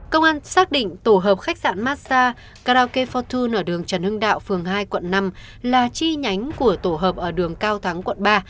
công an xác định tổ hợp khách sạn massage karaoke fortun ở đường trần hưng đạo phường hai quận năm là chi nhánh của tổ hợp ở đường cao thắng quận ba